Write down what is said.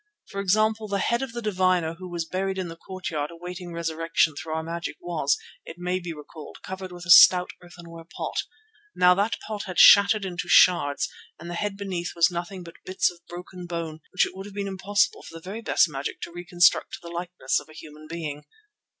For example, the head of the diviner who was buried in the court yard awaiting resurrection through our magic was, it may be recalled, covered with a stout earthenware pot. Now that pot had shattered into sherds and the head beneath was nothing but bits of broken bone which it would have been impossible for the very best magic to reconstruct to the likeness of a human being.